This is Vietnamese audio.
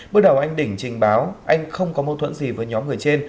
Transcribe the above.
bước đầu anh đỉnh trình báo anh không có mâu thuẫn gì với nhóm người trên